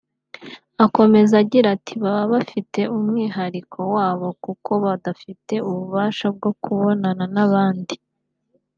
Akomeza agira ati “Baba bafite umwihariko wabo kuko badafite ububasha bwo kubonana n’abandi